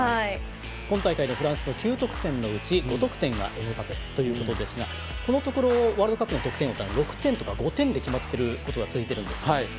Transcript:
今大会のフランスの９得点のうち５得点がエムバペということですがこのところワールドカップの得点王というのは６とか５点で決まっていることが多いんですが。